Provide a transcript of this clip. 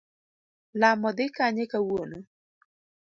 lamo dhi kanye kawuono.